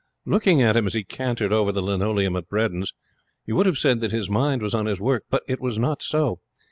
Looking at him as he cantered over the linoleum at Bredin's, you would have said that his mind was on his work. But it was not so.